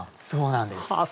そうなんです。